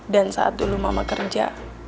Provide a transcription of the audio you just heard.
dan saat dulu mama kerja